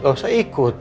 gak usah ikut